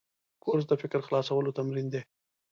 کورس د فکر خلاصولو تمرین دی.